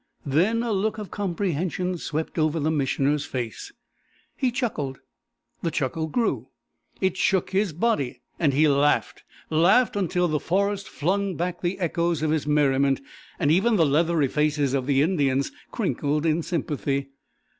Then a look of comprehension swept over the Missioner's face. He chuckled, the chuckle grew, it shook his body, and he laughed laughed until the forest flung back the echoes of his merriment, and even the leathery faces of the Indians crinkled in sympathy.